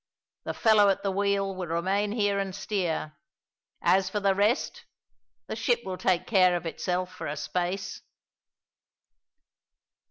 The fellow at the wheel will remain here and steer. As for the rest, the ship will take care of itself for a space."